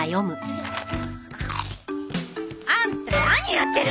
あっ！